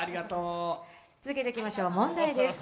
続けていきましょう、問題です。